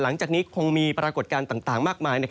หลังจากนี้คงมีปรากฏการณ์ต่างมากมาย